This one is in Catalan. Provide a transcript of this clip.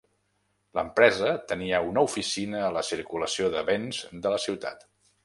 L'empresa tenia una oficina a la circulació de béns de la ciutat